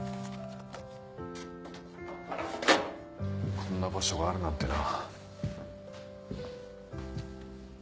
こんな場所があるなんてな。